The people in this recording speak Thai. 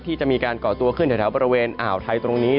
ที่จะมีการก่อตัวขึ้นแถวบริเวณอ่าวไทยตรงนี้